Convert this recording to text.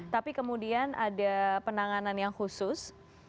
tapi kemudian ada penanganan yang khusus